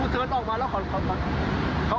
รูเถิดออกมาแล้วเคาร์ทำล่ะ